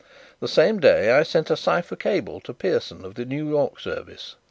The same day I sent a cipher cable to Pierson of the New York service.